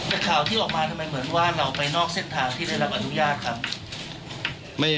แต่ข่าวที่ออกมาทำไมเหมือนว่าเราไปนอกเส้นทางที่ได้รับอนุญาตครับ